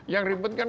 yang ribet kan